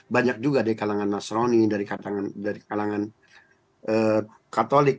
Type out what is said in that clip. banyak juga dari kalangan nasroni dari kalangan katolik